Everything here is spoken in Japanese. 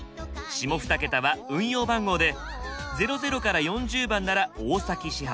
下２桁は運用番号で００４０番なら大崎始発。